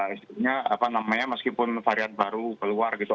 istilahnya apa namanya meskipun varian baru keluar gitu